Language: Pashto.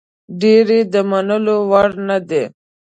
ډېرې یې د منلو وړ نه دي.